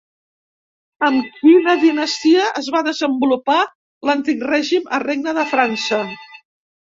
Amb quina dinastia es va desenvolupar l'antic règim al Regne de França?